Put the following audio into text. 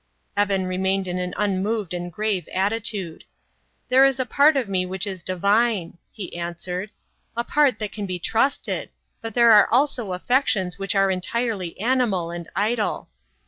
Evan remained in an unmoved and grave attitude. "There is a part of me which is divine," he answered, "a part that can be trusted, but there are also affections which are entirely animal and idle."